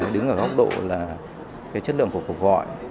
đứng ở góc độ là chất lượng phục vụ gọi